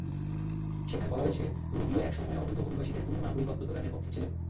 সেখানে বলা হয়েছে, রুবিও একসময় অবৈধ অভিবাসীদের পূর্ণ নাগরিকত্ব প্রদানের পক্ষে ছিলেন।